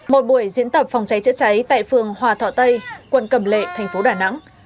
một buổi diễn tập phòng cháy chữa cháy tại phường hòa thọ tây quận cầm lệ thành phố đà nẵng